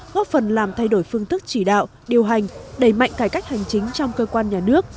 góp phần làm thay đổi phương thức chỉ đạo điều hành đẩy mạnh cải cách hành chính trong cơ quan nhà nước